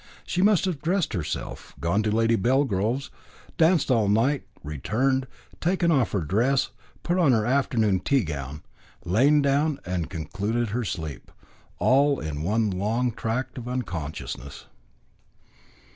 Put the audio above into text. She must have dressed herself, gone to Lady Belgrove's, danced all night, returned, taken off her dress, put on her afternoon tea gown, lain down and concluded her sleep all in one long tract of unconsciousness.